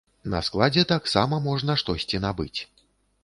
На складзе таксама можна штосьці набыць.